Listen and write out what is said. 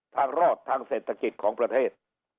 ทางรอดทางเศรษฐกิจของประเทศ